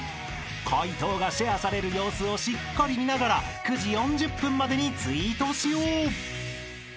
［解答がシェアされる様子をしっかり見ながら９時４０分までにツイートしよう］